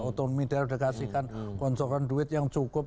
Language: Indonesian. otomi dia udah kasihkan konsulkan duit yang cukup